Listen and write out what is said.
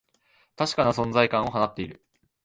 確かな存在感を放っている